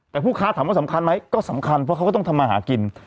แต่ผู้ค้าถามว่าสำคัญไหมก็สำคัญเพราะเขาก็ต้องทำมาหากิน